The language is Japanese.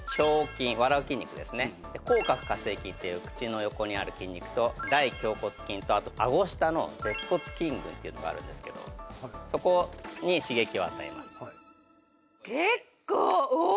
筋笑う筋肉ですねで口角下制筋っていう口の横にある筋肉と大頬骨筋とあとあご下の舌骨筋群っていうのがあるんですけどそこに刺激を与えます。